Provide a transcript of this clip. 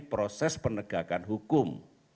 proses penegakan hukum